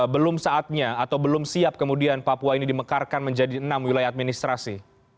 belum saatnya atau belum siap kemudian papua ini dimekarkan menjadi enam wilayah administrasi